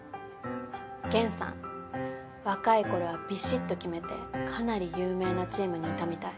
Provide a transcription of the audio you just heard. ゲンさん若いころはビシッと決めてかなり有名なチームにいたみたい。